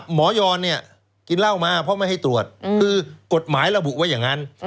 หมอยอนเนี่ยกินเหล้ามาเพราะไม่ให้ตรวจคือกฎหมายระบุไว้อย่างนั้น